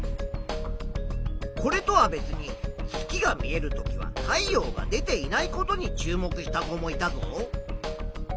これとは別に月が見えるときは太陽が出ていないことに注目した子もいたぞ。